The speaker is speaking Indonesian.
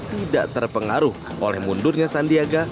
tidak terpengaruh oleh mundurnya sandiaga